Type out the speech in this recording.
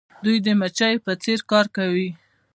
دوی د مچیو په څیر کار کوي.